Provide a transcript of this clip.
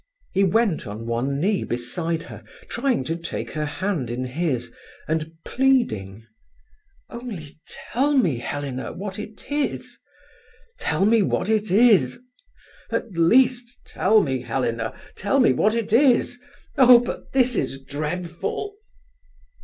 He went on one knee beside her, trying to take her hand in his, and pleading: "Only tell me, Helena, what it is. Tell me what it is. At least tell me, Helena; tell me what it is. Oh, but this is dreadful!"